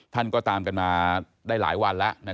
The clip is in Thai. ท่านก็ตามกันมาได้หลายวันแล้ว